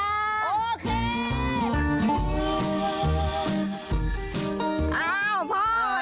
พ่อสวัสดีจ้า